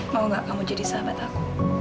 mau gak kamu jadi sahabat aku